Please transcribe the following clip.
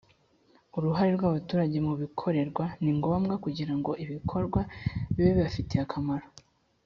uruhare rw abaturage mu bibakorerwa ni ngombwa kugira ngo ibikorwa bibe bibafitiye akamaro